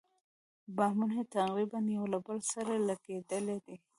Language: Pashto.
بامونه یې تقریباً یو له بل سره لګېدلي دي.